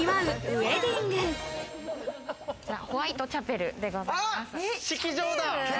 ウェディホワイトチャペルでございます。